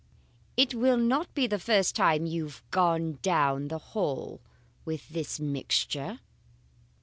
It will not be the first time you have gone down the hall with this mixture.